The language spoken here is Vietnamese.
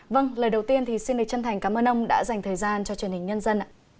vâng lời đầu tiên thì xin đề chân thành cảm ơn ông đã dành thời gian cho truyền hình nhân dân ạ